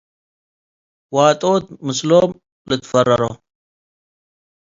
ዋጦት ምስሎም ልትፈረሮ ።